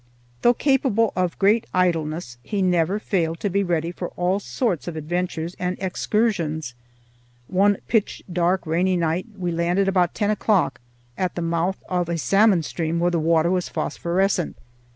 Though capable of great idleness, he never failed to be ready for all sorts of adventures and excursions. One pitch dark rainy night we landed about ten o'clock at the mouth of a salmon stream when the water was phosphorescent.